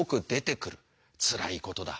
つらいことだ。